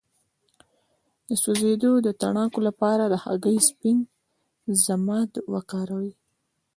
د سوځیدو د تڼاکو لپاره د هګۍ د سپین ضماد وکاروئ